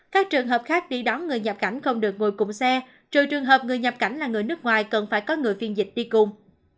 các trường hợp khác đi đón người nhập cảnh không được ngồi cùng xe trừ trường hợp người nhập cảnh là người nước ngoài cần phải có người phiên dịch đi cùng